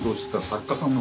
作家さん？